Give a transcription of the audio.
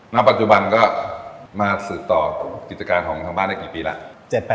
ณปัจจุบันก็มาสืบต่อกิจการของทางบ้านได้กี่ปีแล้ว